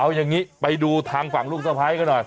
เอาอย่างนี้ไปดูทางฝั่งลูกสะพ้ายกันหน่อย